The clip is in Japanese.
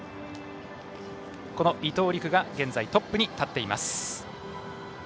伊藤陸が現在トップに立っています。